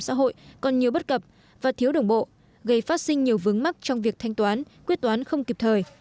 xã hội còn nhiều bất cập và thiếu đồng bộ gây phát sinh nhiều vướng mắc trong việc thanh toán quyết toán không kịp thời